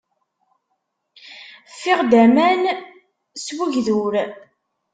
Ffiɣ-d aman s ugdur.